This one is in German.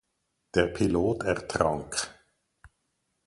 Der Pilot ertrank.